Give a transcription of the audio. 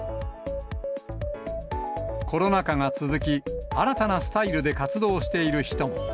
コロナ禍が続き、新たなスタイルで活動している人も。